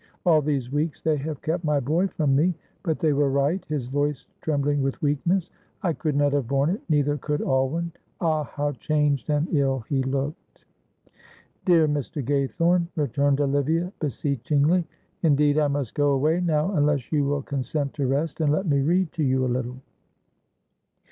All these weeks they have kept my boy from me; but they were right," his voice trembling with weakness. "I could not have borne it, neither could Alwyn. Ah, how changed and ill he looked." "Dear Mr. Gaythorne," returned Olivia, beseechingly, "indeed I must go away now, unless you will consent to rest and let me read to you a little."